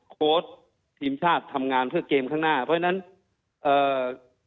โค้ชทีมชาติทำงานเพื่อเกมข้างหน้าเพราะฉะนั้นเอ่อ